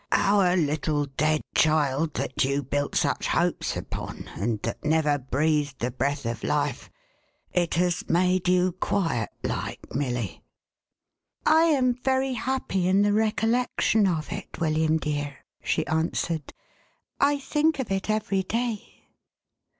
Our little dead child that you built such hopes upon, and that never breathed the breath of life — it has made you quiet like, Milly." " I am very happy in the recollection of it, William dear," she answered. " I think of it every day."